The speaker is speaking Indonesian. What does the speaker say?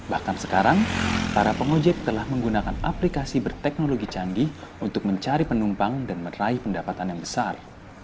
bahkan sekarang para pengojek telah menggunakan aplikasi berteknologi canggih untuk mencari penumpang dan meraih pendapatan yang besar